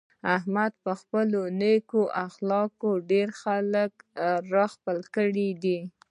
احمد په خپلو نېکو اخلاقو ډېر خلک را خپل کړي دي.